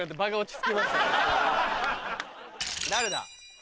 誰だ？